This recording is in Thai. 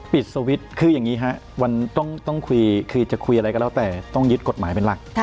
ปิดสวิตช์คืออย่างนี้ฮะมันต้องคุยคือจะคุยอะไรก็แล้วแต่ต้องยึดกฎหมายเป็นหลัก